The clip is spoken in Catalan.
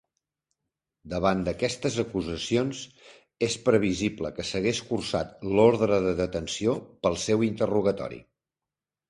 Davant d'aquestes acusacions és previsible que s'hagués cursat l'ordre de detenció per al seu interrogatori.